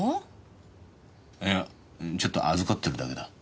いやちょっと預かってるだけだ。